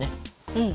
うん。